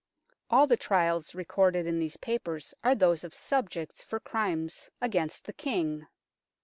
All the trials recorded in these papers are those of subjects for crimes against the King.